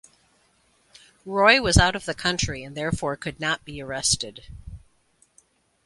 Roy was out of the country and therefore could not be arrested.